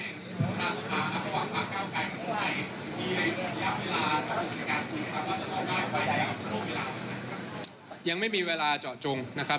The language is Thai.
ยังไม่มีเวลาเจาะจงนะครับ